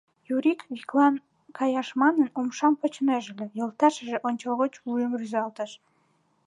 Юрик, виклан каяш манын, умшам почнеже ыле, йолташыже ончылгоч вуйым рӱзалтыш.